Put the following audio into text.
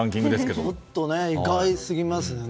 ちょっとね、意外すぎますよね。